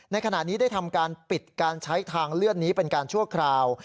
ในขณะนี้ได้ทำการปิดการใช้ทางเลื่อนนี้เป็นการชั่วคราว